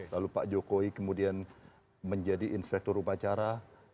lalu pak jokowi kemudian menjadi inspektur upacara